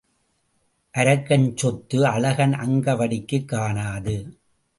அரங்கன் சொத்து அழகன் அங்கவடிக்குக் காணாது.